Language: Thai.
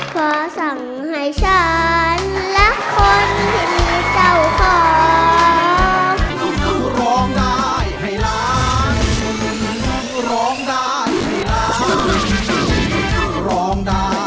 ขอสั่งให้ฉันและคนเป็นเจ้าของ